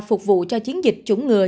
phục vụ cho chiến dịch chủng ngừa